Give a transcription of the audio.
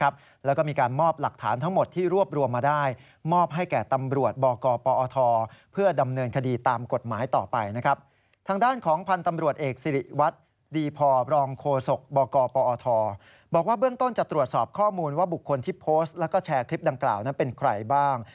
บอกว่าเบื้องต้นจะตรวจสอบข้อมูลว่าบุคคลที่โพสต์แล้วก็แชร์คลิปดังกล่าวนั้นเป็นใครบ้าง